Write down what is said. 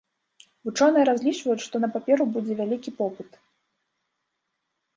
Вучоныя разлічваюць, што на паперу будзе вялікі попыт.